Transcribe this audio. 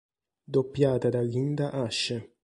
Doppiata da Lynda Ashe.